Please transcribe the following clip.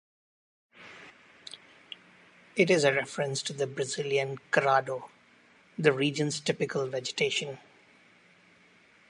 It is a reference to the Brazilian Cerrado, the region's typical vegetation.